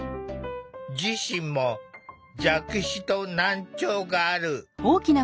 自身も弱視と難聴がある。